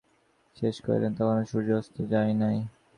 কমলা যখন তাহার ঘর-গোছানোর কাজ শেষ কহিল তখনো সূর্য অস্ত যায় নাই।